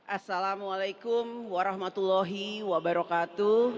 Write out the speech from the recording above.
assalamualaikum warahmatullahi wabarakatuh